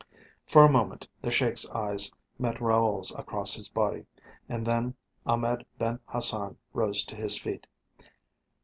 For a moment the Sheik's eyes met Raoul's across his body, and then Ahmed Ben Hassan rose to his feet.